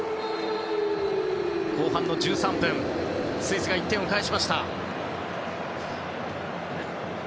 後半の１３分スイスが１点を返しました。